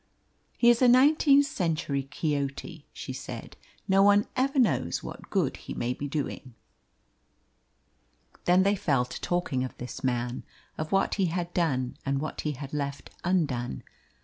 "He is a nineteenth century Quixote," she said. "No one ever knows what good he may be doing." Then they fell to talking of this man, of what he had done and what he had left undone.